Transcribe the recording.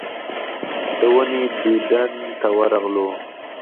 د ونې دیدن ته ورغلو.